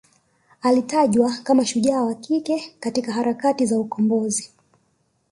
alitajwa kama shujaa wa kike katika harakati za ukombozi